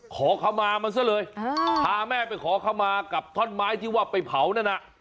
ขอเข้ามามันซะเลยพาแม่ไปขอเข้ามากับท่อนไม้ที่ว่าไปเผานั่นน่ะ